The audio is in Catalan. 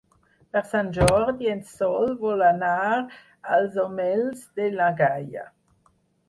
Per Sant Jordi en Sol vol anar als Omells de na Gaia.